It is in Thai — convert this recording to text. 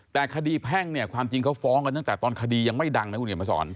แต่คดีแพ่งเนี่ยความจริงเขาฟ้องกันตั้งแต่ตอนคดียังไม่ดังนะคุณเขียนมาสอน